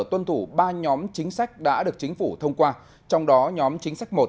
tuân thủ ba nhóm chính sách đã được chính phủ thông qua trong đó nhóm chính sách một